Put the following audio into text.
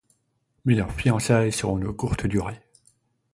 Mais leurs fiançailles seront de courtes durées.